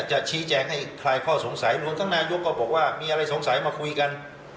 จะชี้แจงให้คลายข้อสงสัยรวมทั้งนายกก็บอกว่ามีอะไรสงสัยมาคุยกัน